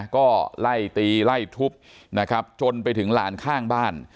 ก็ไล่ตีไล่ทุบนะครับจนไปถึงหลานข้างบ้าน